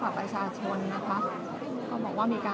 และที่อยู่ด้านหลังคุณยิ่งรักนะคะก็คือนางสาวคัตยาสวัสดีผลนะคะ